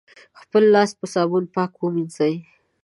خپل لاسونه په صابون پاک ومېنځی